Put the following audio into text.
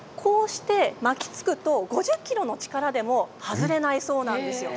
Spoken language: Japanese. こうして巻きつくと５０ｋｇの力でも外れないんだそうです。